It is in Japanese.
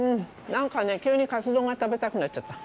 なんかねぇ急にカツ丼が食べたくなっちゃった。